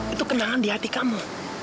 itu kenangan di hati kamu